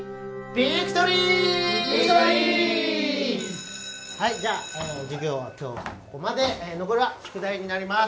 ビクトリーはいじゃあ授業は今日はここまで残りは宿題になります